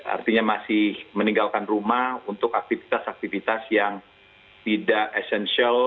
artinya masih meninggalkan rumah untuk aktivitas aktivitas yang tidak essential